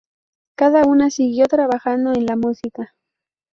Cada una siguió trabajando en la música.